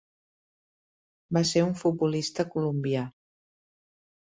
Va ser un futbolista colombià.